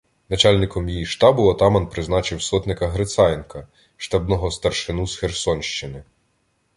Начальником її штабу отаман призначив сотника Грицаєнка - штабного старшину з Херсонщини.